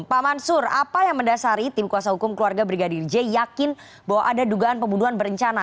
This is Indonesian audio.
pak mansur apa yang mendasari tim kuasa hukum keluarga brigadir j yakin bahwa ada dugaan pembunuhan berencana